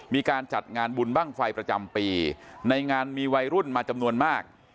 มีการจัดงานบุญบ้างไฟประจำปีในงานมีวัยรุ่นมาจำนวนมาก